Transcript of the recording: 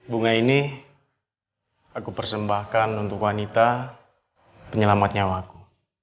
bunga ini aku persembahkan untuk wanita penyelamat nyawa aku